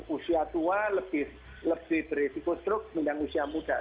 usia tua lebih beresiko struk mindang usia muda